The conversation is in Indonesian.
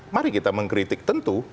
mari kita mengkritik tentu